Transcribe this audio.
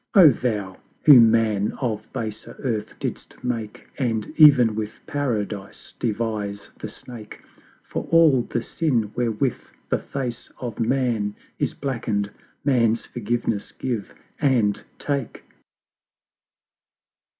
LXXXI. Oh Thou, who Man of baser Earth didst make, And ev'n with Paradise devise the Snake: For all the Sin wherewith the Face of Man Is blacken'd Man's forgiveness give and take!